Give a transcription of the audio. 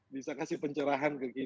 bisa kasih pencerahan ke kita